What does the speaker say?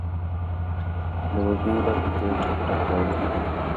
دوږمو لپو کې ټپ، ټپ راځي